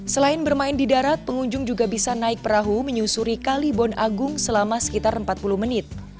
selain bermain di darat pengunjung juga bisa naik perahu menyusuri kalibon agung selama sekitar empat puluh menit